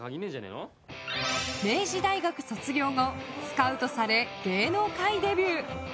明治大学卒業後スカウトされ、芸能界デビュー。